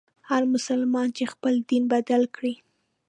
هر مسلمان چي خپل دین بدل کړي.